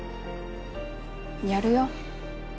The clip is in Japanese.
やるよ。